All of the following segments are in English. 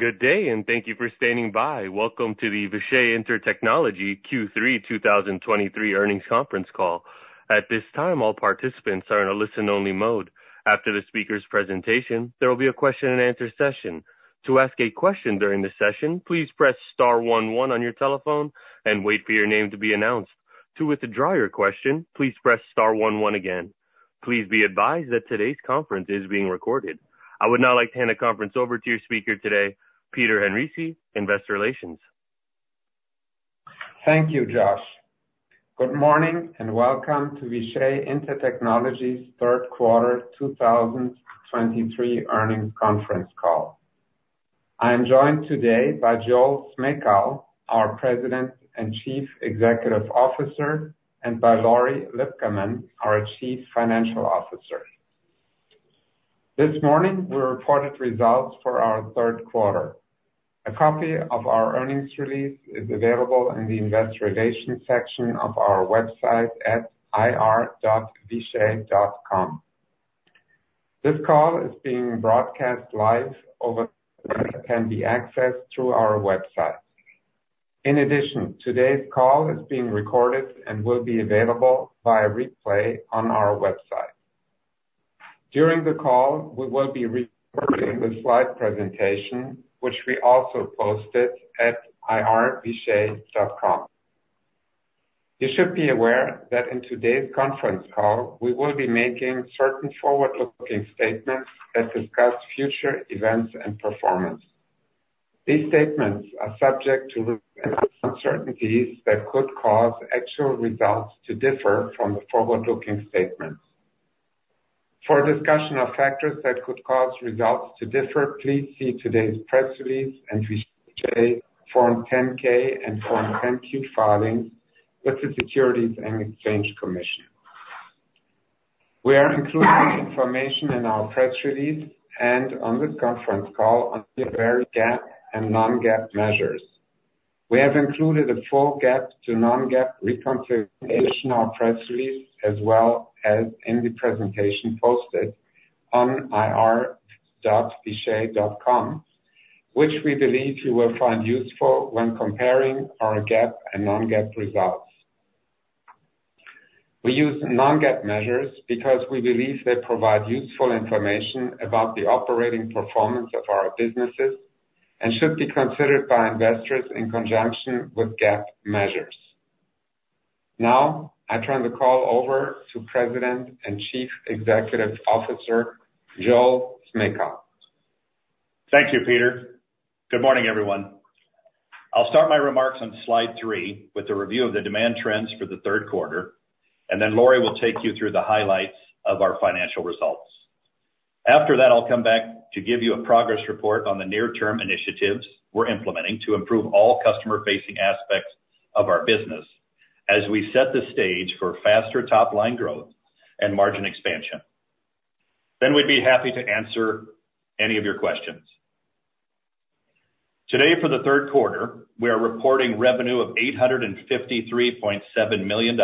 Good day, and thank you for standing by. Welcome to the Vishay Intertechnology Q3 2023 Earnings Conference Call. At this time, all participants are in a listen-only mode. After the speaker's presentation, there will be a question-and-answer session. To ask a question during the session, please press star one one on your telephone and wait for your name to be announced. To withdraw your question, please press star one one again. Please be advised that today's conference is being recorded. I would now like to hand the conference over to your speaker today, Peter Henrici, Investor Relations. Thank you, Josh. Good morning, and welcome to Vishay Intertechnology's third quarter 2023 earnings conference call. I am joined today by Joel Smejkal, our President and Chief Executive Officer, and by Lori Lipcaman, our Chief Financial Officer. This morning, we reported results for our third quarter. A copy of our earnings release is available in the Investor Relations section of our website at ir.vishay.com. This call is being broadcast live over, can be accessed through our website. In addition, today's call is being recorded and will be available via replay on our website. During the call, we will be recording the slide presentation, which we also posted at ir.vishay.com. You should be aware that in today's conference call, we will be making certain forward-looking statements that discuss future events and performance. These statements are subject to risks and uncertainties that could cause actual results to differ from the forward-looking statements. For a discussion of factors that could cause results to differ, please see today's press release and Vishay Form 10-K and Form 10-Q filings with the Securities and Exchange Commission. We are including information in our press release and on this conference call on the various GAAP and non-GAAP measures. We have included a full GAAP to non-GAAP reconciliation on our press release, as well as in the presentation posted on ir.vishay.com, which we believe you will find useful when comparing our GAAP and non-GAAP results. We use non-GAAP measures because we believe they provide useful information about the operating performance of our businesses and should be considered by investors in conjunction with GAAP measures. Now, I turn the call over to President and Chief Executive Officer, Joel Smejkal. Thank you, Peter. Good morning, everyone. I'll start my remarks on slide three with a review of the demand trends for the third quarter, and then Lori will take you through the highlights of our financial results. After that, I'll come back to give you a progress report on the near-term initiatives we're implementing to improve all customer-facing aspects of our business as we set the stage for faster top-line growth and margin expansion. Then we'd be happy to answer any of your questions. Today, for the third quarter, we are reporting revenue of $853.7 million,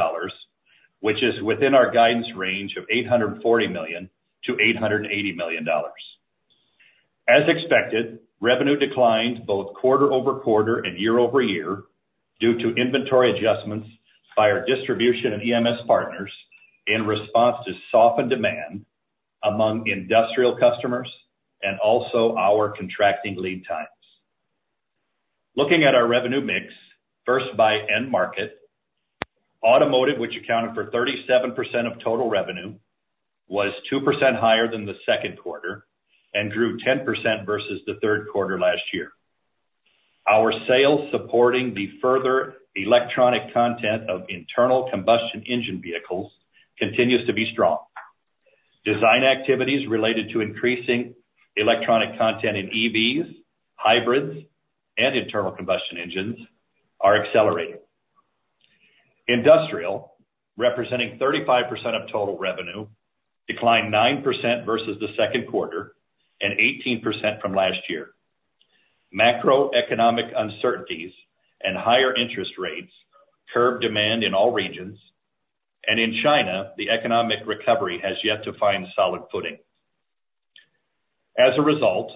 which is within our guidance range of $840 million-$880 million. As expected, revenue declined both quarter-over-quarter and year-over-year due to inventory adjustments by our distribution and EMS partners in response to softened demand among industrial customers and also our contracting lead times. Looking at our revenue mix, first by end market, automotive, which accounted for 37% of total revenue, was 2% higher than the second quarter and grew 10% versus the third quarter last year. Our sales supporting the further electronic content of internal combustion engine vehicles continues to be strong. Design activities related to increasing electronic content in EVs, hybrids, and internal combustion engines are accelerating. Industrial, representing 35% of total revenue, declined 9% versus the second quarter and 18% from last year. Macroeconomic uncertainties and higher interest rates curbed demand in all regions, and in China, the economic recovery has yet to find solid footing. As a result,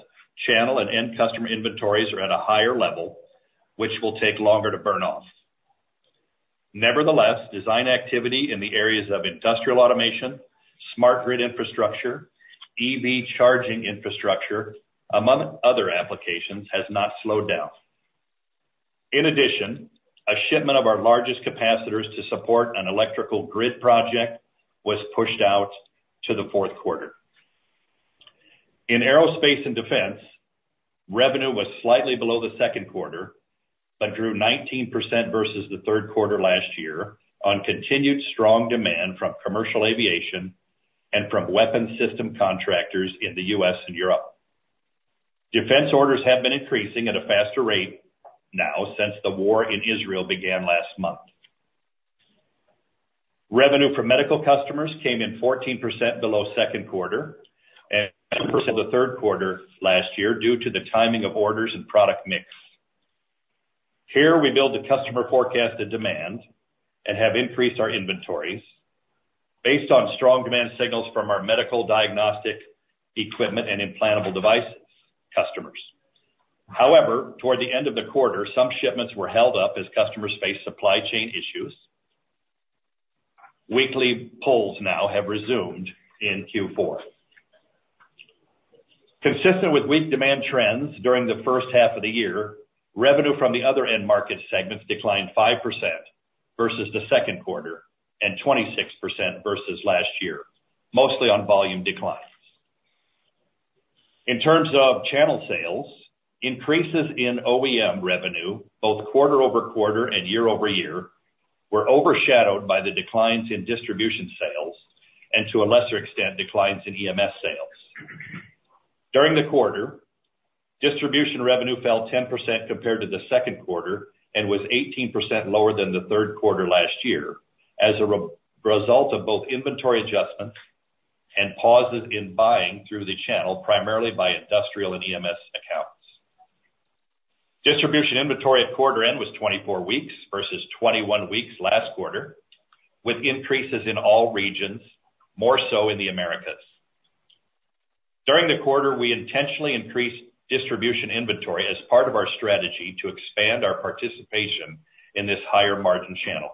channel and end customer inventories are at a higher level, which will take longer to burn off. Nevertheless, design activity in the areas of industrial automation, smart grid infrastructure, EV charging infrastructure, among other applications, has not slowed down. In addition, a shipment of our largest capacitors to support an electrical grid project was pushed out to the fourth quarter. In aerospace and defense, revenue was slightly below the second quarter, but grew 19% versus the third quarter last year on continued strong demand from commercial aviation and from weapons system contractors in the U.S. and Europe. Defense orders have been increasing at a faster rate now since the war in Israel began last month. Revenue from medical customers came in 14% below second quarter, and the third quarter last year, due to the timing of orders and product mix. Here, we build the customer forecast and demand, and have increased our inventories based on strong demand signals from our medical diagnostic equipment and implantable devices customers. However, toward the end of the quarter, some shipments were held up as customers faced supply chain issues. Weekly polls now have resumed in Q4. Consistent with weak demand trends during the first half of the year, revenue from the other end market segments declined 5% versus the second quarter, and 26% versus last year, mostly on volume declines. In terms of channel sales, increases in OEM revenue, both quarter-over-quarter and year-over-year, were overshadowed by the declines in distribution sales, and to a lesser extent, declines in EMS sales. During the quarter, distribution revenue fell 10% compared to the second quarter, and was 18% lower than the third quarter last year, as a result of both inventory adjustments and pauses in buying through the channel, primarily by industrial and EMS accounts. Distribution inventory at quarter end was 24 weeks versus 21 weeks last quarter, with increases in all regions, more so in the Americas. During the quarter, we intentionally increased distribution inventory as part of our strategy to expand our participation in this higher margin channel.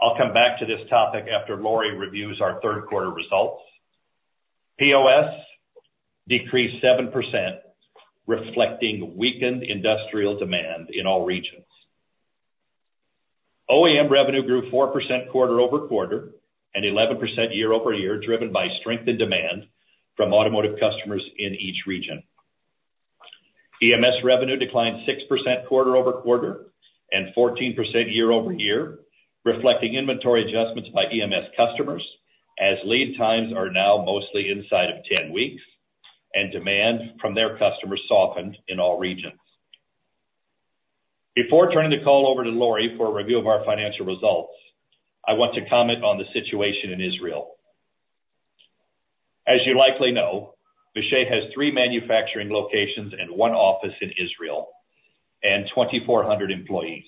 I'll come back to this topic after Lori reviews our third quarter results. POS decreased 7%, reflecting weakened industrial demand in all regions. OEM revenue grew 4% quarter-over-quarter and 11% year-over-year, driven by strength and demand from automotive customers in each region. EMS revenue declined 6% quarter over quarter and 14% year over year, reflecting inventory adjustments by EMS customers, as lead times are now mostly inside of 10 weeks, and demand from their customers softened in all regions. Before turning the call over to Lori for a review of our financial results, I want to comment on the situation in Israel. As you likely know, Vishay has three manufacturing locations and one office in Israel, and 2,400 employees.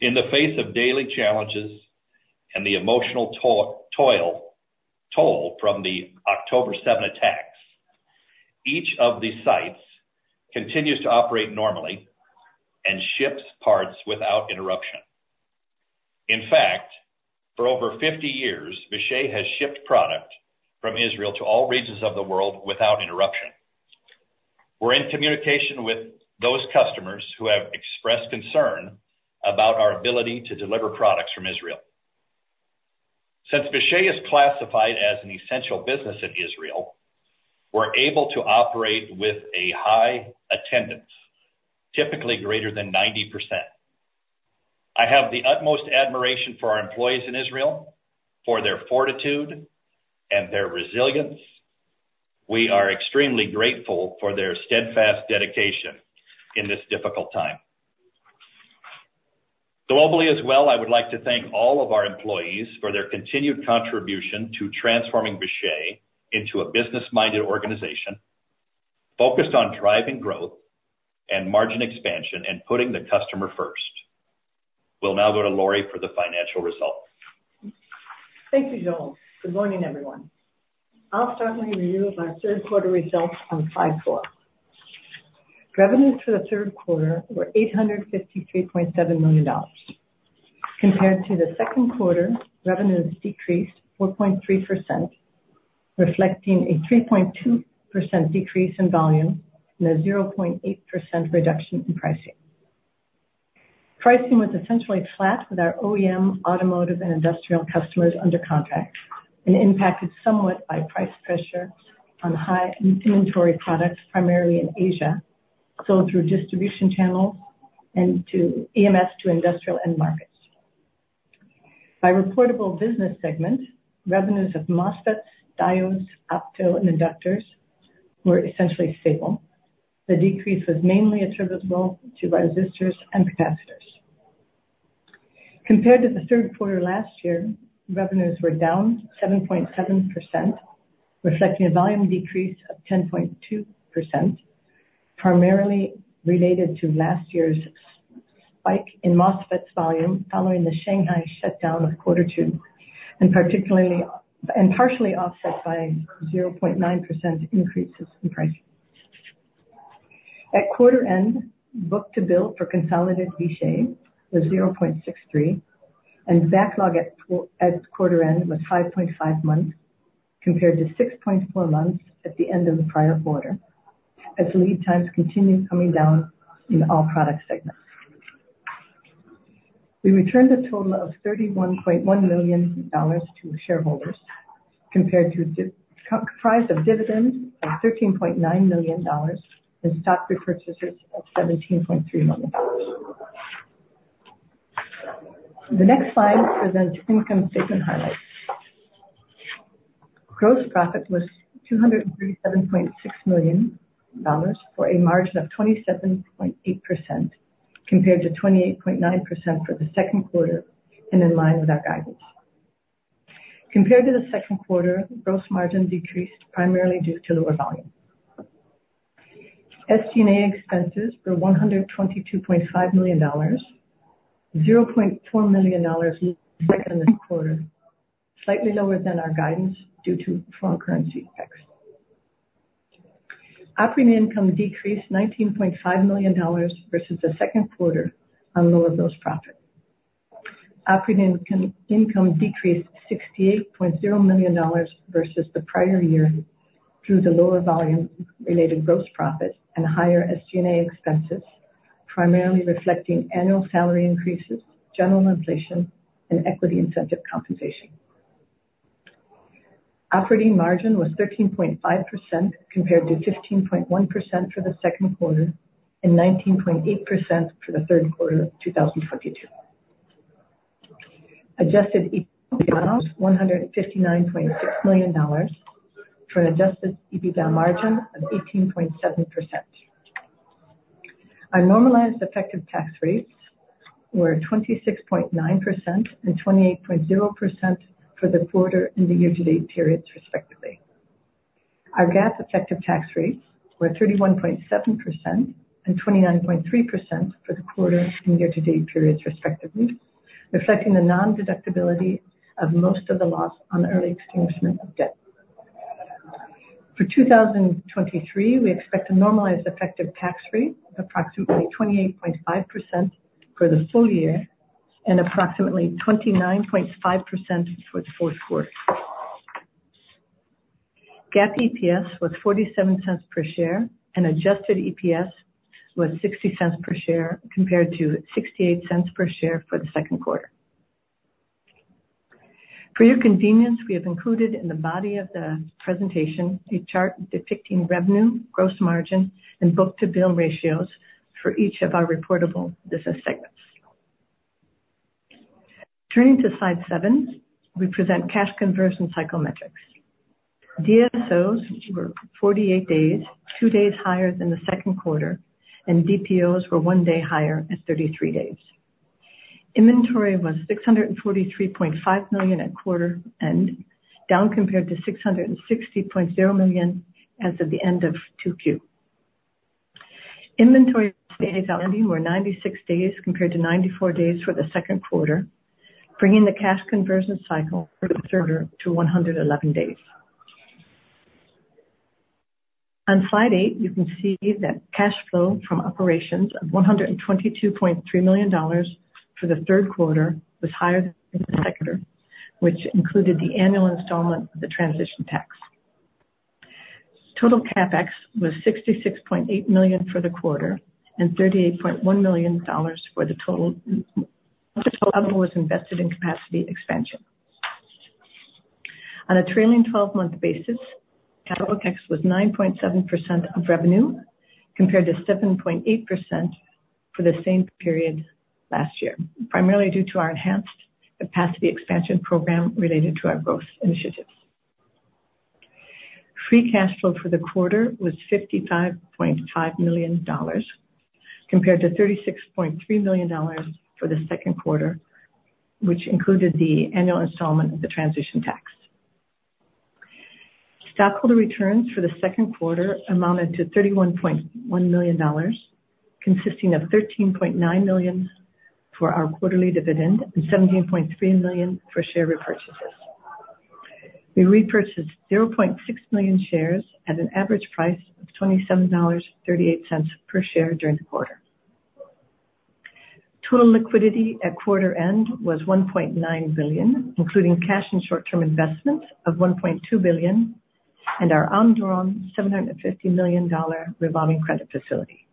In the face of daily challenges and the emotional toll from the October 7th attacks, each of these sites continues to operate normally and ships parts without interruption. In fact, for over 50 years, Vishay has shipped product from Israel to all regions of the world without interruption. We're in communication with those customers who have expressed concern about our ability to deliver products from Israel. Since Vishay is classified as an essential business in Israel, we're able to operate with a high attendance, typically greater than 90%. I have the utmost admiration for our employees in Israel, for their fortitude and their resilience. We are extremely grateful for their steadfast dedication in this difficult time. Globally as well, I would like to thank all of our employees for their continued contribution to transforming Vishay into a business-minded organization, focused on driving growth and margin expansion and putting the customer first. We'll now go to Lori for the financial results. Thank you, Joel. Good morning, everyone. I'll start my review of our third quarter results on slide four. Revenues for the third quarter were $853.7 million. Compared to the second quarter, revenues decreased 4.3%, reflecting a 3.2% decrease in volume and a 0.8% reduction in pricing. Pricing was essentially flat with our OEM, automotive, and industrial customers under contract, and impacted somewhat by price pressure on high inventory products, primarily in Asia, sold through distribution channels and to EMS to industrial end markets. By reportable business segment, revenues of MOSFETs, diodes, opto, and inductors were essentially stable. The decrease was mainly attributable to resistors and capacitors. Compared to the third quarter last year, revenues were down 7.7%, reflecting a volume decrease of 10.2%, primarily related to last year's spike in MOSFETs volume following the Shanghai shutdown of quarter two, and partially offset by 0.9% increases in pricing. At quarter end, book-to-bill for consolidated Vishay was 0.63, and backlog at quarter end was 5.5 months, compared to 6.4 months at the end of the prior quarter, as lead times continued coming down in all product segments. We returned a total of $31.1 million to shareholders, comprised of dividends of $13.9 million and stock repurchases of $17.3 million. The next slide presents income statement highlights. Gross profit was $237.6 million, for a margin of 27.8%, compared to 28.9% for the second quarter and in line with our guidance. Compared to the second quarter, gross margin decreased primarily due to lower volume. SG&A expenses were $122.5 million, $0.4 million lower in the second quarter, slightly lower than our guidance due to foreign currency effects. Operating income decreased $19.5 million versus the second quarter on lower gross profit. Operating income decreased $68.0 million versus the prior year due to lower volume-related gross profit and higher SG&A expenses, primarily reflecting annual salary increases, general inflation, and equity incentive compensation. Operating margin was 13.5%, compared to 15.1% for the second quarter and 19.8% for the third quarter of 2022. Adjusted EBITDA was $159.6 million, for an adjusted EBITDA margin of 18.7%. Our normalized effective tax rates were 26.9% and 28.0% for the quarter and the year-to-date periods, respectively. Our GAAP effective tax rates were 31.7% and 29.3% for the quarter and year-to-date periods, respectively, reflecting the non-deductibility of most of the loss on early extinguishment of debt. For 2023, we expect a normalized effective tax rate of approximately 28.5% for the full year and approximately 29.5% for the fourth quarter. GAAP EPS was $0.47 per share, and adjusted EPS was $0.60 per share, compared to $0.68 per share for the second quarter. For your convenience, we have included in the body of the presentation a chart depicting revenue, gross margin, and book-to-bill ratios for each of our reportable business segments. Turning to slide seven, we present cash conversion cycle metrics. DSOs were 48 days, two days higher than the second quarter, and DPOs were one day higher at 33 days. Inventory was $643.5 million at quarter end, down compared to $660.0 million as of the end of Q2. Inventory days were 96 days, compared to 94 days for the second quarter, bringing the cash conversion cycle for the quarter to 111 days. On slide eight, you can see that cash flow from operations of $122.3 million for the third quarter was higher than the second quarter, which included the annual installment of the transition tax. Total CapEx was $66.8 million for the quarter and $38.1 million of the total was invested in capacity expansion. On a trailing 12-month basis, capital CapEx was 9.7% of revenue, compared to 7.8% for the same period last year, primarily due to our enhanced capacity expansion program related to our growth initiatives. Free cash flow for the quarter was $55.5 million, compared to $36.3 million for the second quarter, which included the annual installment of the transition tax. Stockholder returns for the second quarter amounted to $31.1 million, consisting of $13.9 million for our quarterly dividend and $17.3 million for share repurchases. We repurchased 0.6 million shares at an average price of $27.38 per share during the quarter. Total liquidity at quarter end was $1.9 billion, including cash and short-term investments of $1.2 billion and our undrawn $750 million revolving credit facility.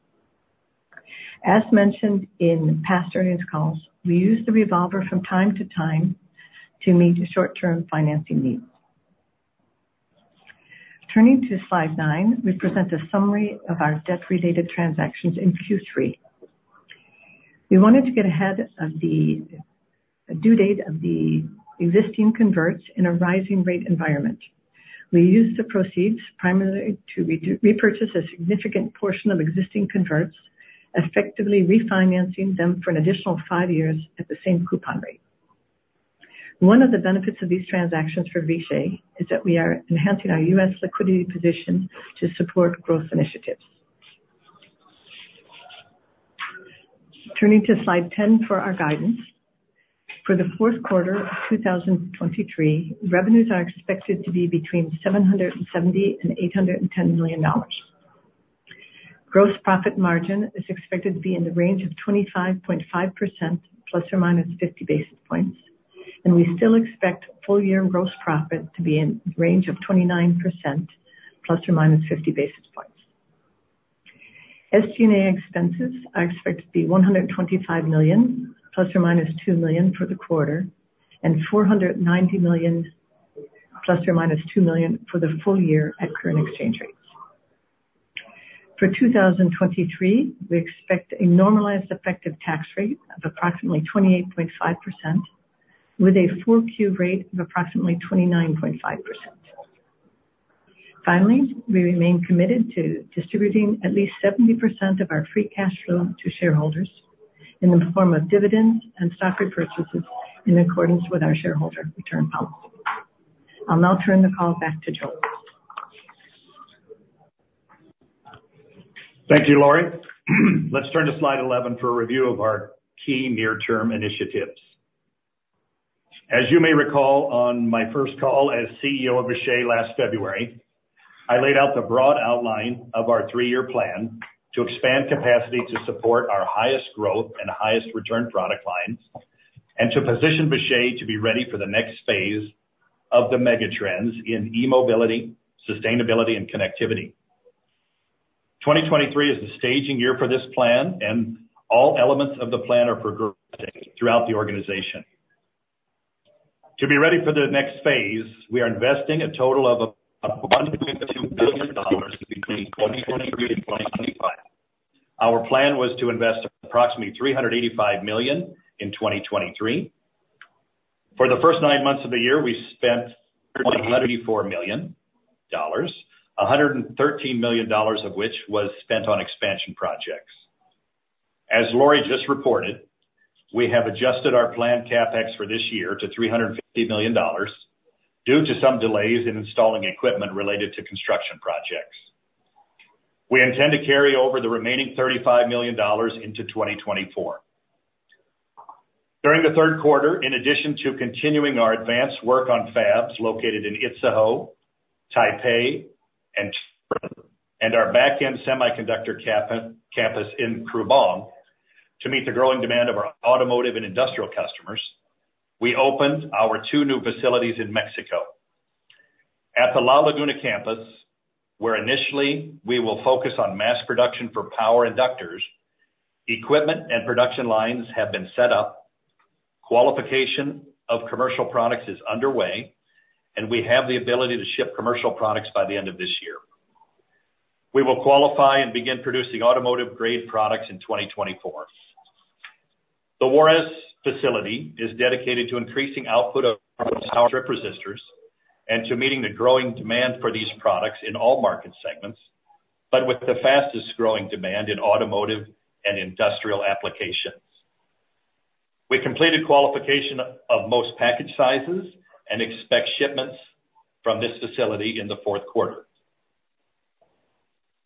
As mentioned in past earnings calls, we use the revolver from time to time to meet short-term financing needs. Turning to slide nine, we present a summary of our debt-related transactions in Q3. We wanted to get ahead of the due date of the existing converts in a rising rate environment. We used the proceeds primarily to re-repurchase a significant portion of existing converts, effectively refinancing them for an additional five years at the same coupon rate. One of the benefits of these transactions for Vishay is that we are enhancing our U.S. liquidity position to support growth initiatives. Turning to slide 10 for our guidance. For the fourth quarter of 2023, revenues are expected to be between $770 million and $810 million. Gross profit margin is expected to be in the range of 25.5% ±50 basis points, and we still expect full year gross profit to be in range of 29% ±50 basis points. SG&A expenses are expected to be $125 million ± $2 million for the quarter, and $490 million ± $2 million for the full year at current exchange rates. For 2023, we expect a normalized effective tax rate of approximately 28.5%, with a full Q rate of approximately 29.5%.... Finally, we remain committed to distributing at least 70% of our free cash flow to shareholders in the form of dividends and stock repurchases, in accordance with our shareholder return policy. I'll now turn the call back to Joel. Thank you, Lori. Let's turn to slide 11 for a review of our key near-term initiatives. As you may recall, on my first call as CEO of Vishay last February, I laid out the broad outline of our three-year plan to expand capacity to support our highest growth and highest return product lines, and to position Vishay to be ready for the next phase of the mega trends in e-mobility, sustainability, and connectivity. 2023 is the staging year for this plan, and all elements of the plan are progressing throughout the organization. To be ready for the next phase, we are investing a total of $1.2 billion between 2023 and 2025. Our plan was to invest approximately $385 million in 2023. For the first nine months of the year, we spent $184 million, $113 million of which was spent on expansion projects. As Lori just reported, we have adjusted our planned CapEx for this year to $350 million due to some delays in installing equipment related to construction projects. We intend to carry over the remaining $35 million into 2024. During the third quarter, in addition to continuing our advanced work on fabs located in Itzehoe, Taipei, and our backend semiconductor campus in Krubong, to meet the growing demand of our automotive and industrial customers, we opened our two new facilities in Mexico. At the La Laguna campus, where initially we will focus on mass production for power inductors, equipment and production lines have been set up, qualification of commercial products is underway, and we have the ability to ship commercial products by the end of this year. We will qualify and begin producing automotive-grade products in 2024. The Juárez facility is dedicated to increasing output of Power Metal Strip resistors and to meeting the growing demand for these products in all market segments, but with the fastest growing demand in automotive and industrial applications. We completed qualification of most package sizes and expect shipments from this facility in the fourth quarter.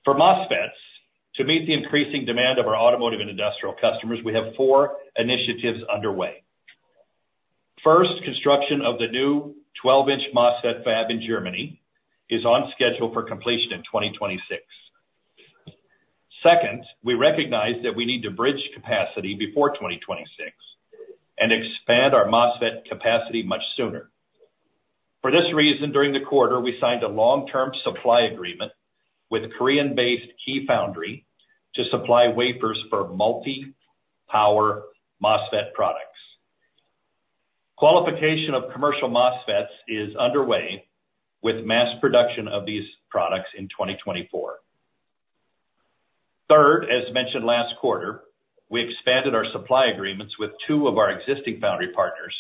For MOSFETs, to meet the increasing demand of our automotive and industrial customers, we have four initiatives underway. First, construction of the new 12 in MOSFET fab in Germany is on schedule for completion in 2026. Second, we recognize that we need to bridge capacity before 2026 and expand our MOSFET capacity much sooner. For this reason, during the quarter, we signed a long-term supply agreement with Korean-based Key Foundry to supply wafers for MaxPower MOSFET products. Qualification of commercial MOSFETs is underway with mass production of these products in 2024. Third, as mentioned last quarter, we expanded our supply agreements with two of our existing foundry partners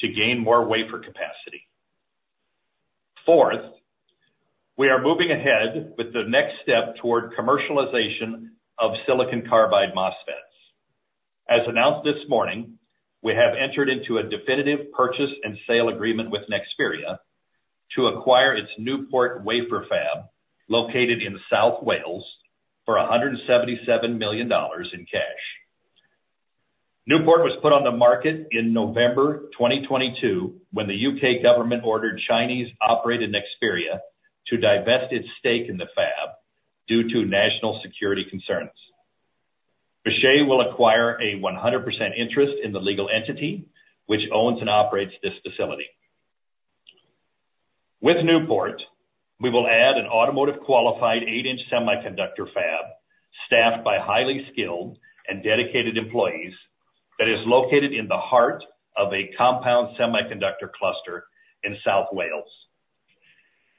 to gain more wafer capacity. Fourth, we are moving ahead with the next step toward commercialization of silicon carbide MOSFETs. As announced this morning, we have entered into a definitive purchase and sale agreement with Nexperia to acquire its Newport Wafer Fab, located in South Wales, for $177 million in cash. Newport was put on the market in November 2022, when the U.K. government ordered Chinese-operated Nexperia to divest its stake in the fab due to national security concerns. Vishay will acquire a 100% interest in the legal entity, which owns and operates this facility. With Newport, we will add an automotive qualified 8 in semiconductor fab, staffed by highly skilled and dedicated employees, that is located in the heart of a compound semiconductor cluster in South Wales.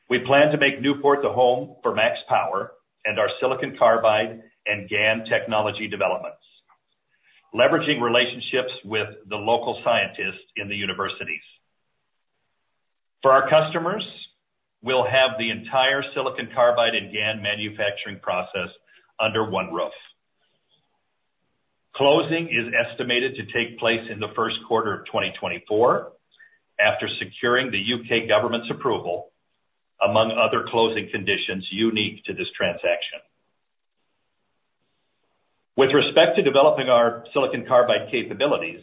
We plan to make Newport the home for MaxPower and our silicon carbide and GaN technology developments, leveraging relationships with the local scientists in the universities. For our customers, we'll have the entire silicon carbide and GaN manufacturing process under one roof. Closing is estimated to take place in the first quarter of 2024, after securing the U.K. government's approval, among other closing conditions unique to this transaction. With respect to developing our silicon carbide capabilities,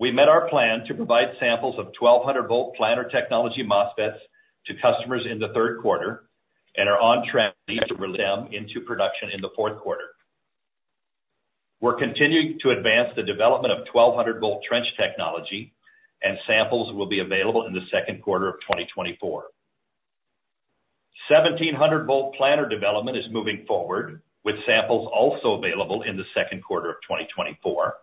we met our plan to provide samples of 1,200 V planar technology MOSFETs to customers in the third quarter, and are on track to release them into production in the fourth quarter. We're continuing to advance the development of 1,200 V trench technology, and samples will be available in the second quarter of 2024. 1,700 V planar development is moving forward, with samples also available in the second quarter of 2024,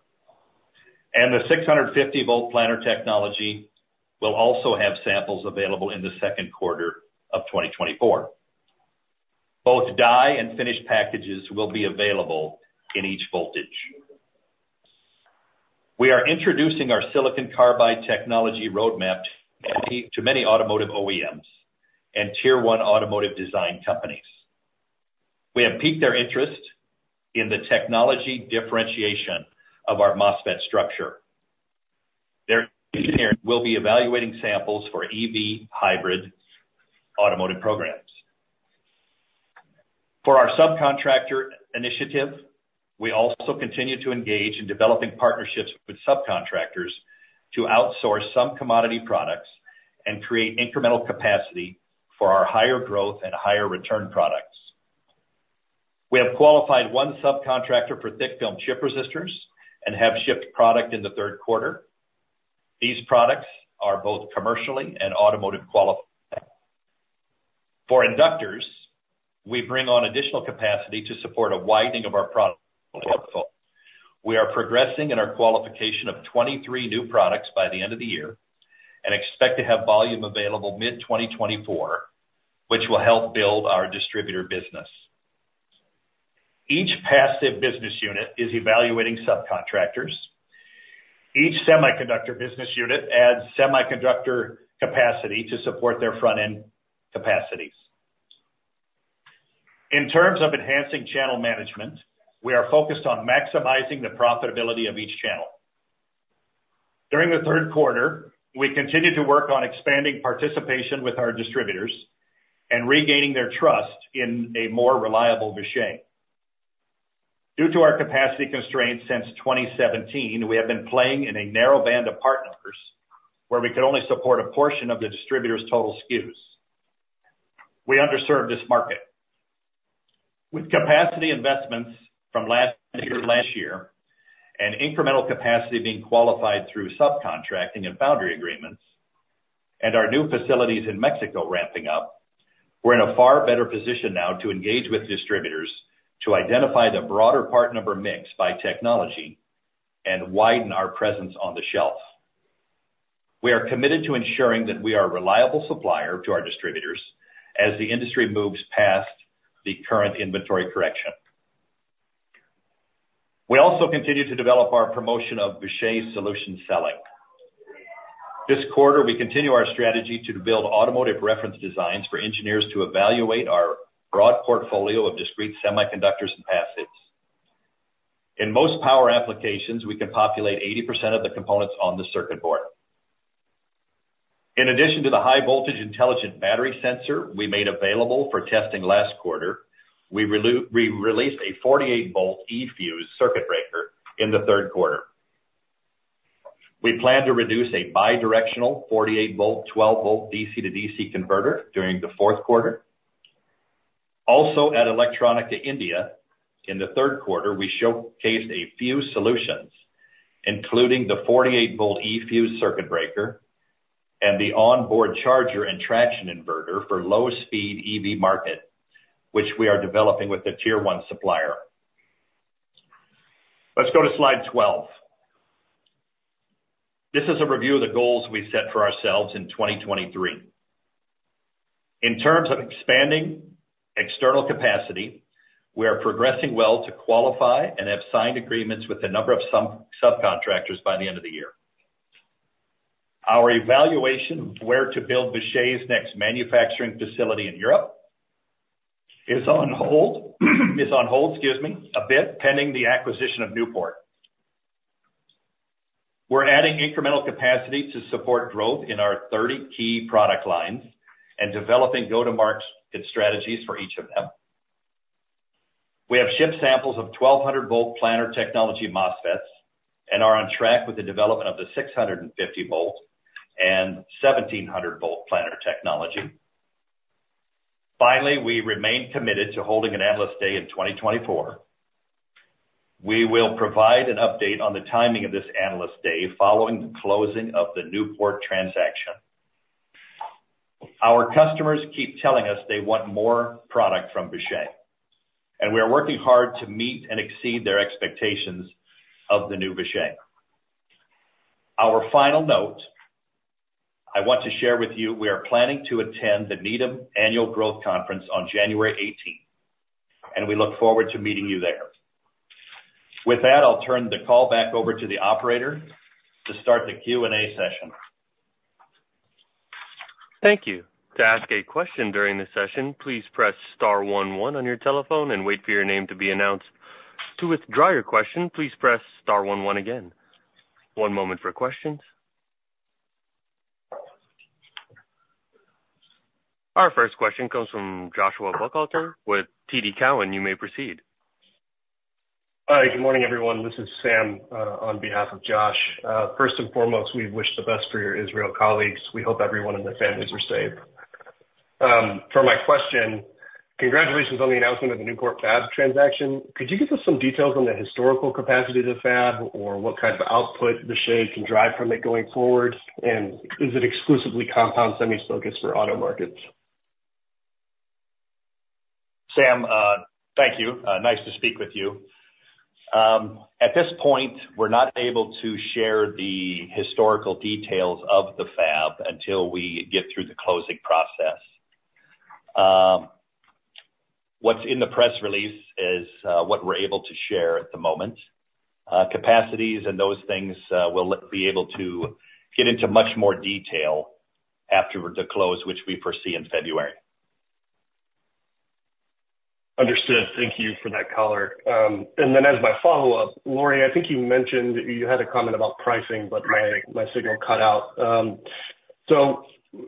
and the 650 V planar technology will also have samples available in the second quarter of 2024. Both die and finished packages will be available in each voltage... We are introducing our silicon carbide technology roadmap to many, to many automotive OEMs and Tier One automotive design companies. We have piqued their interest in the technology differentiation of our MOSFET structure. Their engineers will be evaluating samples for EV hybrid automotive programs. For our subcontractor initiative, we also continue to engage in developing partnerships with subcontractors to outsource some commodity products and create incremental capacity for our higher growth and higher return products. We have qualified one subcontractor for thick film chip resistors and have shipped product in the third quarter. These products are both commercially and automotive qualified. For inductors, we bring on additional capacity to support a widening of our product portfolio. We are progressing in our qualification of 23 new products by the end of the year and expect to have volume available mid-2024, which will help build our distributor business. Each passive business unit is evaluating subcontractors. Each semiconductor business unit adds semiconductor capacity to support their front-end capacities. In terms of enhancing channel management, we are focused on maximizing the profitability of each channel. During the third quarter, we continued to work on expanding participation with our distributors and regaining their trust in a more reliable Vishay. Due to our capacity constraints since 2017, we have been playing in a narrow band of part numbers, where we could only support a portion of the distributor's total SKUs. We underserved this market. With capacity investments from last year, last year, and incremental capacity being qualified through subcontracting and foundry agreements, and our new facilities in Mexico ramping up, we're in a far better position now to engage with distributors to identify the broader part number mix by technology and widen our presence on the shelf. We are committed to ensuring that we are a reliable supplier to our distributors as the industry moves past the current inventory correction. We also continue to develop our promotion of Vishay solution selling. This quarter, we continue our strategy to build automotive reference designs for engineers to evaluate our broad portfolio of discrete semiconductors and passives. In most power applications, we can populate 80% of the components on the circuit board. In addition to the high voltage intelligent battery sensor we made available for testing last quarter, we released a 48 V eFuse circuit breaker in the third quarter. We plan to release a bidirectional 48 V, 12 V DC-to-DC converter during the fourth quarter. Also, at Electronica India, in the third quarter, we showcased a few solutions, including the 48 V eFuse circuit breaker and the onboard charger and traction inverter for low-speed EV market, which we are developing with a Tier 1 supplier. Let's go to slide 12. This is a review of the goals we set for ourselves in 2023. In terms of expanding external capacity, we are progressing well to qualify and have signed agreements with a number of sub-subcontractors by the end of the year. Our evaluation of where to build Vishay's next manufacturing facility in Europe is on hold, excuse me, a bit, pending the acquisition of Newport. We're adding incremental capacity to support growth in our 30 key product lines and developing go-to-market strategies for each of them. We have shipped samples of 1,200 V planar technology MOSFETs and are on track with the development of the 650 V and 1,700 V planar technology. Finally, we remain committed to holding an Analyst Day in 2024. We will provide an update on the timing of this Analyst Day following the closing of the Newport transaction. Our customers keep telling us they want more product from Vishay, and we are working hard to meet and exceed their expectations of the new Vishay. Our final note I want to share with you, we are planning to attend the Needham Annual Growth Conference on January 18th, and we look forward to meeting you there. With that, I'll turn the call back over to the operator to start the Q&A session. Thank you. To ask a question during this session, please press star one one on your telephone and wait for your name to be announced. To withdraw your question, please press star one one again. One moment for questions. Our first question comes from Joshua Buchalter with TD Cowen. You may proceed. Hi, good morning, everyone. This is Sam on behalf of Josh. First and foremost, we wish the best for your Israel colleagues. We hope everyone and their families are safe. For my question, congratulations on the announcement of the Newport Fab transaction. Could you give us some details on the historical capacity of the fab, or what kind of output Vishay can drive from it going forward? And is it exclusively compound semi focused for auto markets? Sam, thank you. Nice to speak with you. At this point, we're not able to share the historical details of the fab until we get through the closing process. In the press release is what we're able to share at the moment. Capacities and those things, we'll be able to get into much more detail after the close, which we foresee in February. Understood. Thank you for that color. And then as my follow-up, Lori, I think you mentioned you had a comment about pricing, but my, my signal cut out. So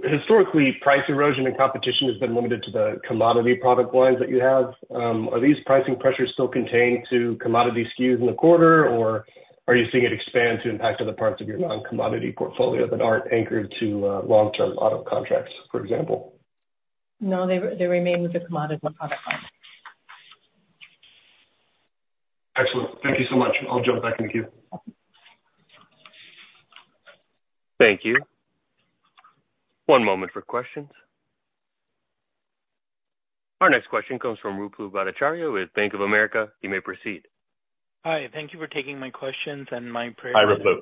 historically, price erosion and competition has been limited to the commodity product lines that you have. Are these pricing pressures still contained to commodity SKUs in the quarter, or are you seeing it expand to impact other parts of your non-commodity portfolio that aren't anchored to long-term auto contracts, for example? No, they remain with the commodity product line. Excellent. Thank you so much. I'll jump back in the queue. Thank you. One moment for questions. Our next question comes from Ruplu Bhattacharya with Bank of America. You may proceed. Hi, thank you for taking my questions and my prayers. Hi, Ruplu.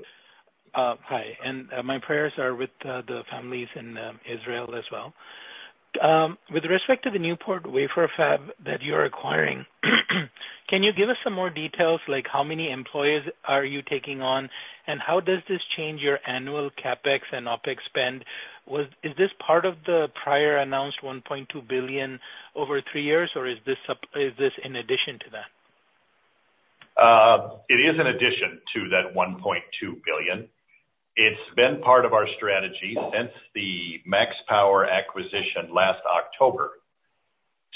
Hi, and my prayers are with the families in Israel as well. With respect to the Newport Wafer Fab that you're acquiring, can you give us some more details, like how many employees are you taking on? And how does this change your annual CapEx and OpEx spend? Is this part of the prior announced $1.2 billion over three years, or is this in addition to that? It is an addition to that $1.2 billion. It's been part of our strategy since the MaxPower acquisition last October,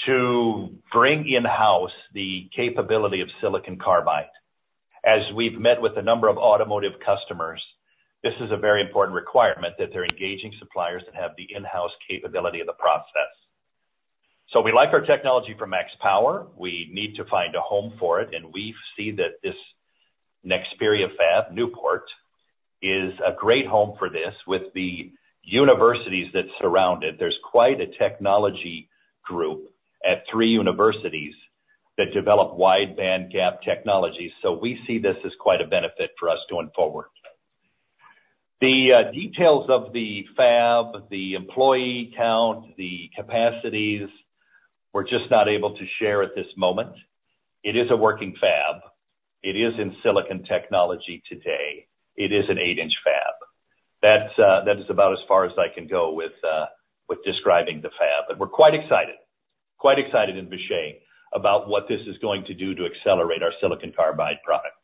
to bring in-house the capability of silicon carbide. As we've met with a number of automotive customers, this is a very important requirement, that they're engaging suppliers that have the in-house capability of the process. So we like our technology from MaxPower. We need to find a home for it, and we see that this Nexperia fab, Newport, is a great home for this with the universities that surround it. There's quite a technology group at three universities that develop wide band gap technologies, so we see this as quite a benefit for us going forward. The details of the fab, the employee count, the capacities, we're just not able to share at this moment. It is a working fab. It is in silicon technology today. It is an 8 in fab. That's, that is about as far as I can go with, with describing the fab, but we're quite excited, quite excited in Vishay about what this is going to do to accelerate our silicon carbide product.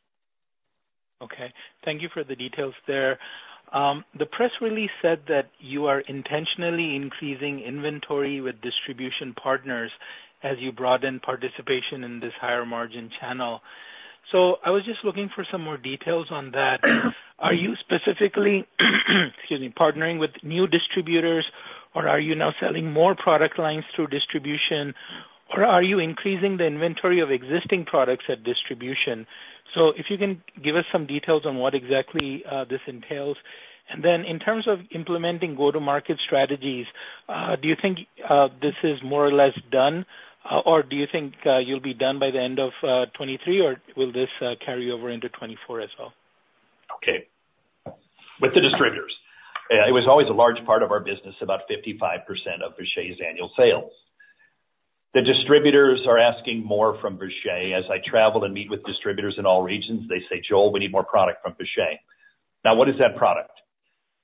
Okay. Thank you for the details there. The press release said that you are intentionally increasing inventory with distribution partners as you broaden participation in this higher margin channel. So I was just looking for some more details on that. Are you specifically, excuse me, partnering with new distributors, or are you now selling more product lines through distribution, or are you increasing the inventory of existing products at distribution? So if you can give us some details on what exactly this entails. And then in terms of implementing go-to-market strategies, do you think this is more or less done, or do you think you'll be done by the end of 2023, or will this carry over into 2024 as well? Okay. With the distributors, it was always a large part of our business, about 55% of Vishay's annual sales. The distributors are asking more from Vishay. As I travel and meet with distributors in all regions, they say, "Joel, we need more product from Vishay." Now, what is that product?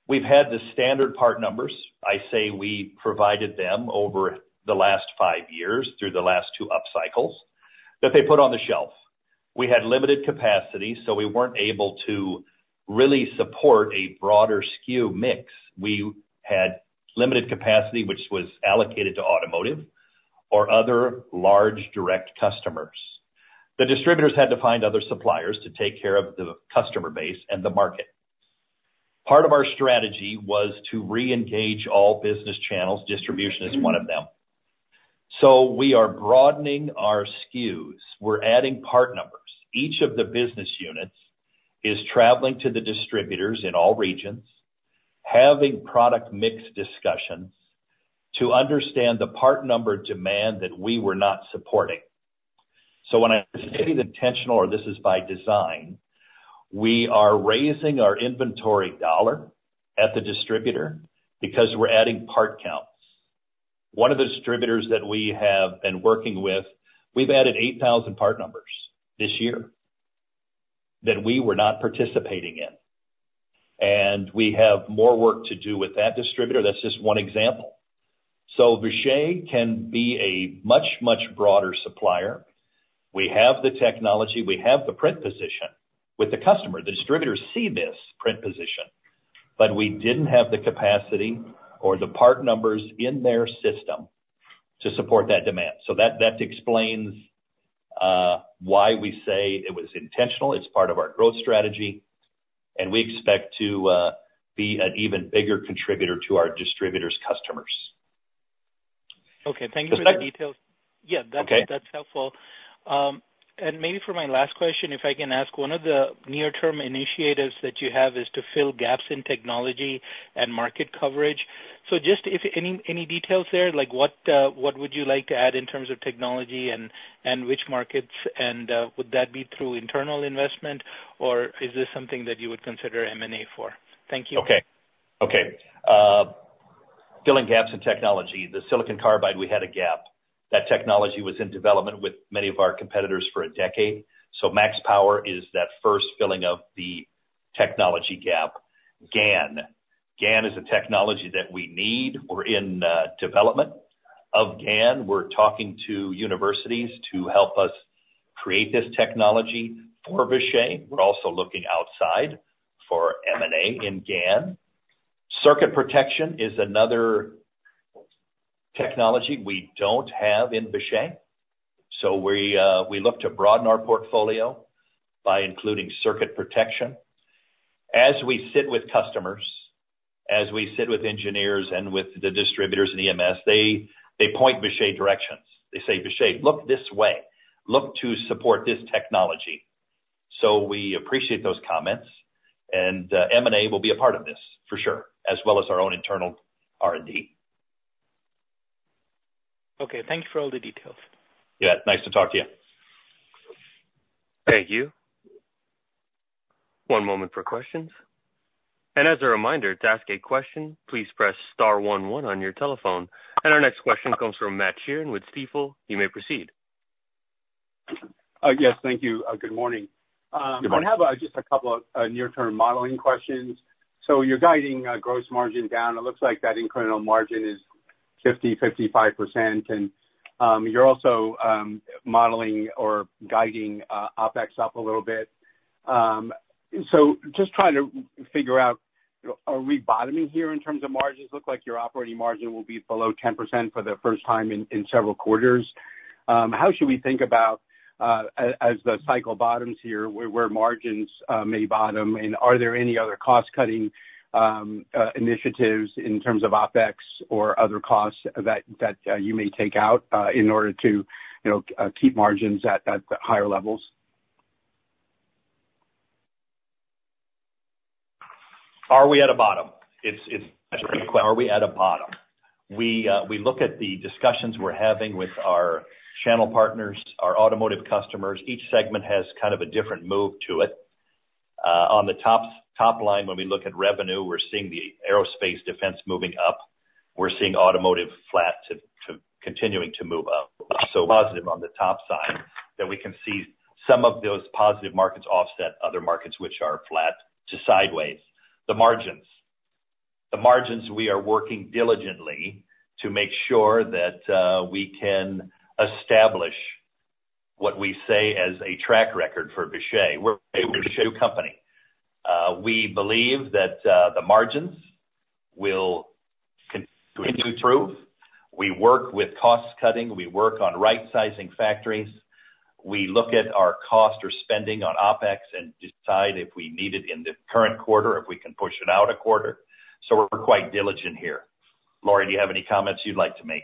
We've had the standard part numbers. I say we provided them over the last five years through the last two upcycles that they put on the shelf. We had limited capacity, so we weren't able to really support a broader SKU mix. We had limited capacity, which was allocated to automotive or other large direct customers. The distributors had to find other suppliers to take care of the customer base and the market. Part of our strategy was to reengage all business channels. Distribution is one of them. So we are broadening our SKUs. We're adding part numbers. Each of the business units is traveling to the distributors in all regions, having product mix discussions to understand the part number demand that we were not supporting. So when I say the intentional or this is by design, we are raising our inventory dollar at the distributor because we're adding part counts. One of the distributors that we have been working with, we've added 8,000 part numbers this year, that we were not participating in, and we have more work to do with that distributor. That's just one example. So Vishay can be a much, much broader supplier. We have the technology, we have the print position with the customer. Distributors see this print position, but we didn't have the capacity or the part numbers in their system to support that demand. So that, that explains why we say it was intentional, it's part of our growth strategy, and we expect to be an even bigger contributor to our distributors' customers. Okay. Thank you for the details. Okay. Yeah, that's helpful. And maybe for my last question, if I can ask, one of the near-term initiatives that you have is to fill gaps in technology and market coverage. So just if any details there, like what would you like to add in terms of technology and which markets? And would that be through internal investment, or is this something that you would consider M&A for? Thank you. Okay. Okay, filling gaps in technology. The silicon carbide, we had a gap. That technology was in development with many of our competitors for a decade, so MaxPower is that first filling of the technology gap. GaN. GaN is a technology that we need. We're in development of GaN. We're talking to universities to help us create this technology for Vishay. We're also looking outside for M&A in GaN. Circuit protection is another technology we don't have in Vishay, so we look to broaden our portfolio by including circuit protection. As we sit with customers, as we sit with engineers and with the distributors in EMS, they point Vishay directions. They say, "Vishay, look this way. Look to support this technology." So we appreciate those comments, and M&A will be a part of this, for sure, as well as our own internal R&D. Okay, thank you for all the details. Yeah, nice to talk to you. Thank you. One moment for questions. As a reminder, to ask a question, please press star one one on your telephone. Our next question comes from Matt Sheeran with Stifel. You may proceed. Yes, thank you. Good morning. Good morning. I have just a couple of near-term modeling questions. So you're guiding gross margin down. It looks like that incremental margin is 50%-55%. And you're also modeling or guiding OpEx up a little bit. So just trying to figure out, are we bottoming here in terms of margins? Looks like your operating margin will be below 10% for the first time in several quarters. How should we think about as the cycle bottoms here, where margins may bottom? And are there any other cost-cutting initiatives in terms of OpEx or other costs that you may take out in order to, you know, keep margins at higher levels? Are we at a bottom? It's That's a great question. Are we at a bottom? We, we look at the discussions we're having with our channel partners, our automotive customers. Each segment has kind of a different move to it. On the top line, when we look at revenue, we're seeing the aerospace defense moving up. We're seeing automotive flat to continuing to move up. So positive on the top side, that we can see some of those positive markets offset other markets which are flat to sideways. The margins. The margins, we are working diligently to make sure that we can establish what we say as a track record for Vishay. We're a Vishay company. We believe that the margins will continue to improve. We work with cost cutting. We work on right-sizing factories. We look at our cost or spending on OpEx and decide if we need it in the current quarter, if we can push it out a quarter. So we're quite diligent here. Lori, do you have any comments you'd like to make?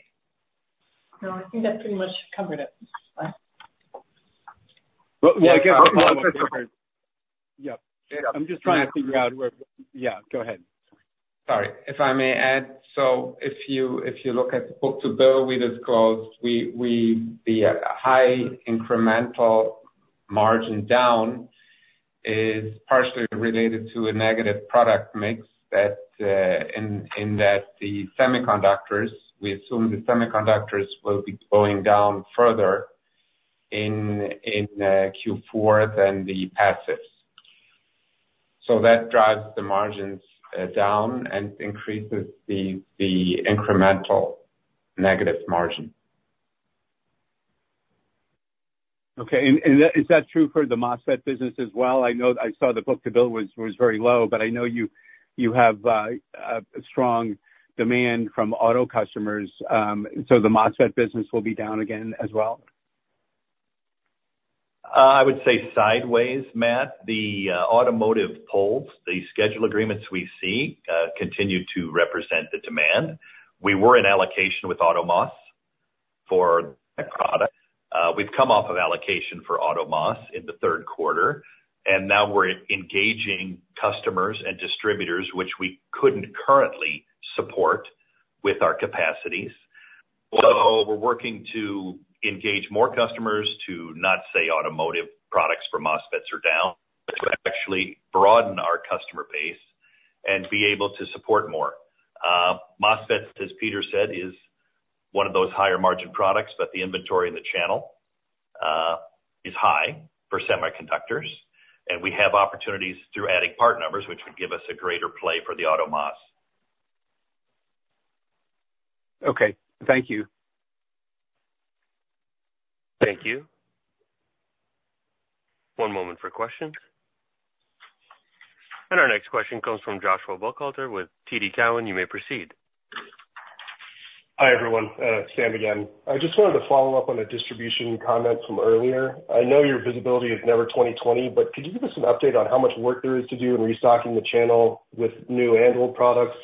No, I think that pretty much covered it. Well, yeah. Yeah. I'm just trying to figure out where... Yeah, go ahead. Sorry. If I may add, so if you look at book-to-bill with this clause, the high incremental margin down is partially related to a negative product mix, in that the semiconductors, we assume the semiconductors will be going down further in Q4 than the passives. So that drives the margins down and increases the incremental negative margin. Okay, and is that true for the MOSFET business as well? I know... I saw the book-to-bill was very low, but I know you have a strong demand from auto customers. So the MOSFET business will be down again as well? I would say sideways, Matt. The automotive pulls, the schedule agreements we see continue to represent the demand. We were in allocation with AutoMOS for that product. We've come off of allocation for AutoMOS in the third quarter, and now we're engaging customers and distributors, which we couldn't currently support with our capacities. So we're working to engage more customers to not say automotive products for MOSFETs are down, but to actually broaden our customer base and be able to support more. MOSFET, as Peter said, is one of those higher margin products, but the inventory in the channel is high for semiconductors, and we have opportunities through adding part numbers, which would give us a greater play for the AutoMOS. Okay. Thank you. Thank you. One moment for questions. Our next question comes from Joshua Buchalter with TD Cowen. You may proceed. Hi, everyone. Sam again. I just wanted to follow up on a distribution comment from earlier. I know your visibility is never 20/20, but could you give us an update on how much work there is to do in restocking the channel with new and old products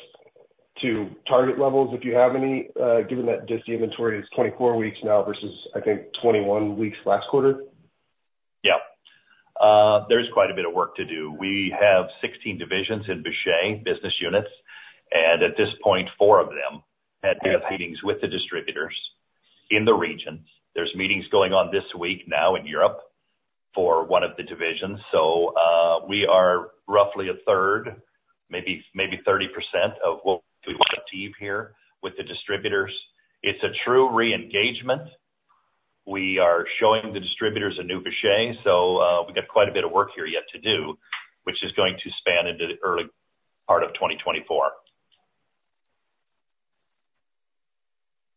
to target levels, if you have any, given that DIST inventory is 24 weeks now versus, I think, 21 weeks last quarter? Yeah. There's quite a bit of work to do. We have 16 divisions in Vishay business units, and at this point, four of them had meetings with the distributors in the regions. There's meetings going on this week now in Europe for one of the divisions, so we are roughly a third, maybe, maybe 30% of what we want to achieve here with the distributors. It's a true re-engagement. We are showing the distributors a new Vishay, so we've got quite a bit of work here yet to do, which is going to span into the early part of 2024.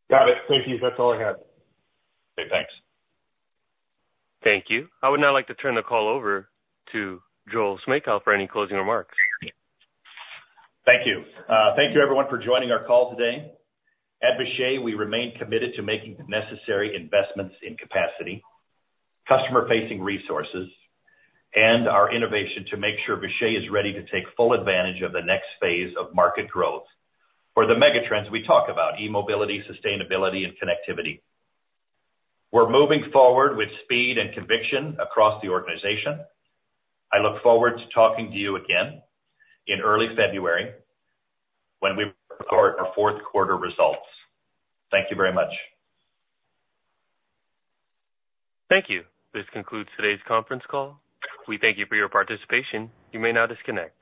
Got it. Thank you. That's all I had. Okay, thanks. Thank you. I would now like to turn the call over to Joel Smejkal for any closing remarks. Thank you. Thank you everyone for joining our call today. At Vishay, we remain committed to making the necessary investments in capacity, customer-facing resources, and our innovation to make sure Vishay is ready to take full advantage of the next phase of market growth. For the megatrends we talk about, e-mobility, sustainability, and connectivity. We're moving forward with speed and conviction across the organization. I look forward to talking to you again in early February when we report our fourth quarter results. Thank you very much. Thank you. This concludes today's conference call. We thank you for your participation. You may now disconnect.